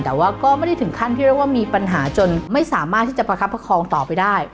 แต่ว่าก็ไม่ได้ถึงขั้นที่เรียกว่ามีปัญหาจนไม่สามารถที่จะประคับประคองต่อไปได้